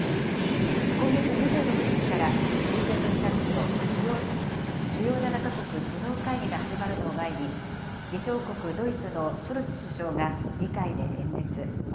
今月２６日から、Ｇ７サミット・主要７か国首脳会議が始まるのを前に、議長国ドイツのショルツ首相が議会で演説。